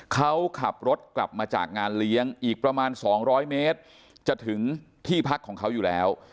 เขาขับรถกลับมาจากงานเลี้ยงอีกประมาณ๒๐๐เมตรจะถึงที่พักของเขาอยู่แล้ว